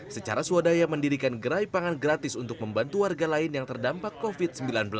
secara swadaya mendirikan gerai pangan gratis untuk membantu warga lain yang terdampak covid sembilan belas